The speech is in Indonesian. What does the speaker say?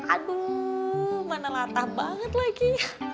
aduh mana latah banget lagi